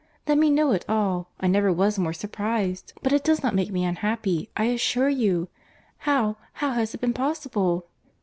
—Let me know it all. I never was more surprized—but it does not make me unhappy, I assure you.—How—how has it been possible?"